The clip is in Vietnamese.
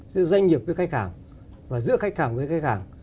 giữa doanh nghiệp với khách hàng và giữa khách hàng với khách hàng